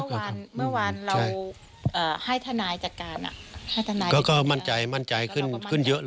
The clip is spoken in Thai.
เมื่อวานเราให้ทนายจัดการ